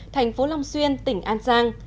thành phố long xuyên tỉnh an giang